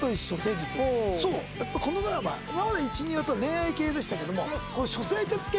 やっぱりこのドラマ今まで１２話と恋愛系でしたけども。